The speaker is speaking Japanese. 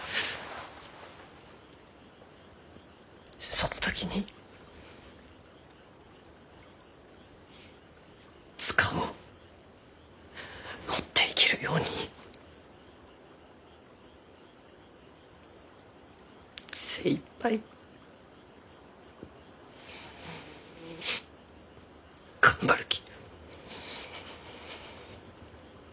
その時に図鑑を持っていけるように精いっぱい頑張るき。